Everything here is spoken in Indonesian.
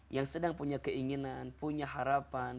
yang sedang punya keinginan punya harapan